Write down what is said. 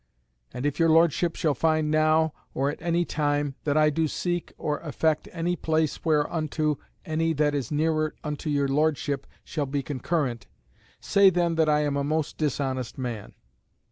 And if your Lordship shall find now, or at any time, that I do seek or affect any place whereunto any that is nearer unto your Lordship shall be concurrent, say then that I am a most dishonest man.